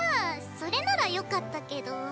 それならよかったけど。